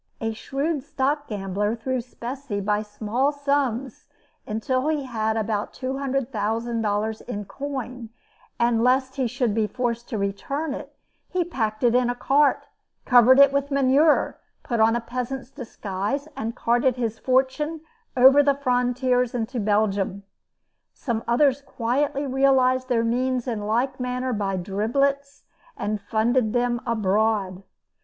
A shrewd stock gambler drew specie by small sums until he had about $200,000 in coin, and lest he should be forced to return it, he packed it in a cart, covered it with manure, put on a peasant's disguise, and carted his fortune over the frontiers into Belgium. Some others quietly realized their means in like manner by driblets and funded them abroad.